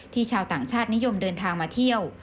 ชาวต่างชาตินิยมเดินทางมาเที่ยว